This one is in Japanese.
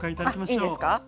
あいいんですか？